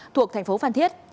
thuộc tp phan thiết